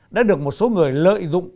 đã được một số người lợi dụng